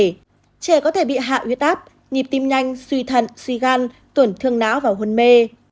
trẻ có thể bị hạ huyết áp nhịp tim nhanh suy thận suy gan tổn thương não và hôn mê